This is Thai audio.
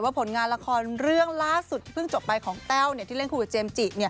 ผลงานละครเรื่องล่าสุดเพิ่งจบไปของแต้วที่เล่นคู่กับเจมส์จิ